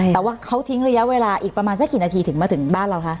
แต่ว่าเขาทิ้งระยะเวลาอีกประมาณสักกี่นาทีถึงมาถึงบ้านเราคะ